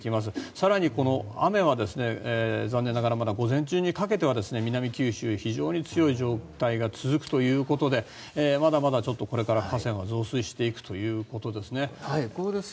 更にこの雨は残念ながらまだ午前中にかけては南九州、非常に強い状態が続くということでまだまだこれから河川は増水していくということですね。